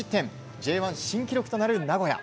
Ｊ１新記録となる名古屋。